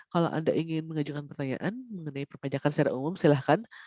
kalau anda ingin mengajukan pertanyaan mengenai perpajakan secara umum silahkan